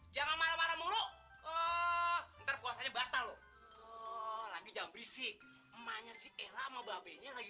jangan marah marah mulu oh ntar puasanya batal lagi jambi sih emangnya sih lama babenya lagi